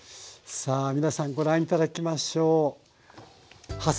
さあ皆さんご覧頂きましょう。